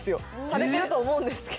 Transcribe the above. されてると思うんですけど。